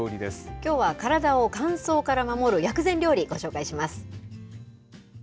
きょうは体を乾燥から守る薬膳料理ご紹介します。